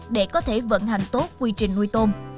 để có thể vận hành tốt quy trình nuôi tôm